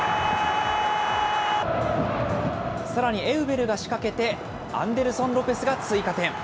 さらにエウベルが仕掛けてアンデルソン・ロペスが追加点。